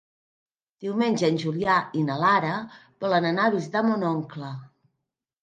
Diumenge en Julià i na Lara volen anar a visitar mon oncle.